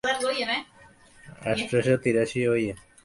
জনকয়েক বিফল হলেও আমাদের চিন্তিত হওয়ার প্রয়োজন নেই।